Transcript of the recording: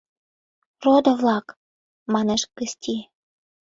— Родо-влак! — манеш Кысти.